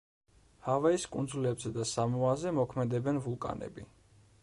ჰავაის კუნძულებზე და სამოაზე მოქმედებენ ვულკანები.